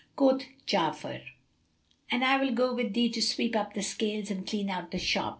Quoth Ja'afar, "And I will go with thee to sweep up the scales and clean out the shop."